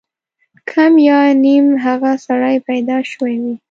که یو یا نیم ښه سړی پیدا شوی وي.